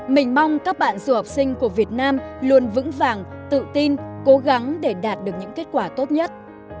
mình mong các bạn du học sinh của việt nam luôn vững vàng tự tin cố gắng để đạt được những kết quả tốt nhất